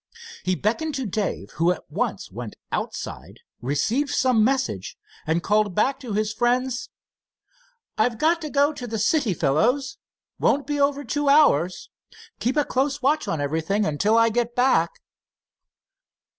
He beckoned to Dave, who at once went outside, received some message, and called back to his friends: "I've got to go to the city, fellows. Won't be over two hours. Keep a close watch on everything until I get back."